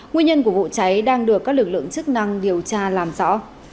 nguyên nhân của vụ cháy đang được các lực lượng chức năng điều tra làm rõ